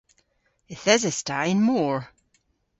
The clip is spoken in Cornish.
Yth eses ta y'n mor.